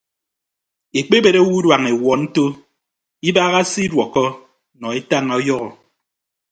Ekpebet owo uduañ ewuọ nto ibaaha se iduọkkọ nọ etañ ọyọhọ.